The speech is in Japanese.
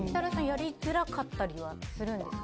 やりづらかったりするんですか。